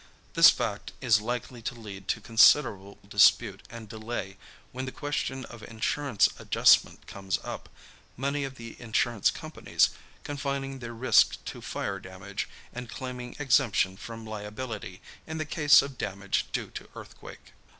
This fact is likely to lead to considerable dispute and delay when the question of insurance adjustment comes up, many of the insurance companies confining their risk to fire damage and claiming exemption from liability in the case of damage due to earthquake.